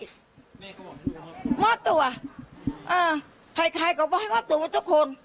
แม่ก็บอกให้มอบตัวมอบตัวเออใครใครก็บอกให้มอบตัวไว้ทุกคน